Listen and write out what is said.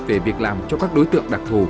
về việc làm cho các đối tượng đặc thù